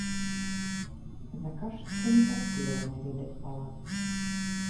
Заказчыца не паспела наведаць палац.